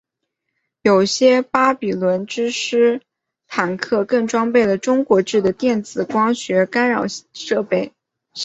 有些巴比伦之狮坦克更装备了中国制的电子光学干扰设备。